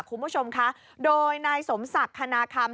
คุณผู้ชมคะโดยนายสมศักดิ์คณาคำ